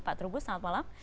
pak trubus selamat malam